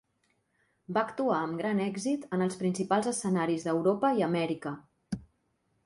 Va actuar amb gran èxit en els principals escenaris d'Europa i Amèrica.